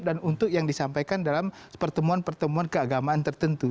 dan untuk yang disampaikan dalam pertemuan pertemuan keagamaan tertentu